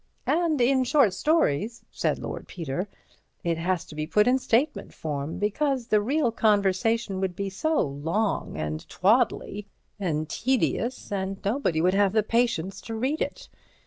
"And in short stories," said Lord Peter, "it has to be put in statement form, because the real conversation would be so long and twaddly and tedious, and nobody would have the patience to read it.